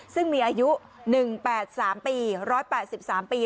ซึ่งมีอายุ๑๘๓ปี๑๘๓ปี